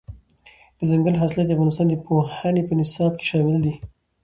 دځنګل حاصلات د افغانستان د پوهنې په نصاب کې شامل دي.